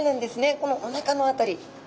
このおなかの辺り。